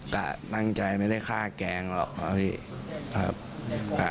แต่ตั้งใจไม่ได้ฆ่าแกงหรอกครับ